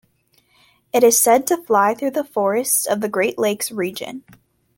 It is said to fly through the forests of the Great Lakes region.